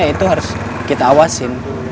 itu harus kita awasin